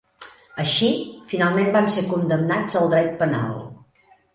Així, finalment van ser condemnats al dret penal.